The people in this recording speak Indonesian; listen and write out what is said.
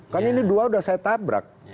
kan ini dua sudah saya tabrak